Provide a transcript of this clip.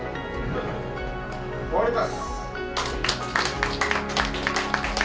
終わります。